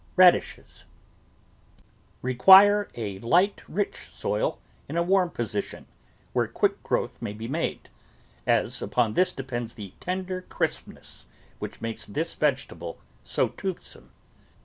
RADISHES Require a light, rich soil in a warm position, where quick growth may be made, as upon this depends the tender crispness which makes this vegetable so toothsome.